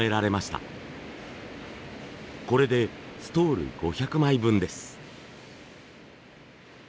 これでストール５００枚分です。